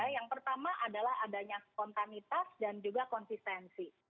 yang pertama adalah adanya spontanitas dan juga konsistensi